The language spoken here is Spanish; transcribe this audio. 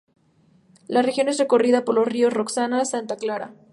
La región es recorrida por los Ríos Roxana y Santa Clara.